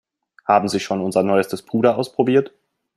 Haben Sie schon unser neuestes Puder ausprobiert?